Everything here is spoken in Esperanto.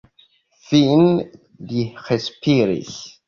Fine li respiris.